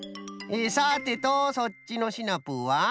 さてとそっちのシナプーは？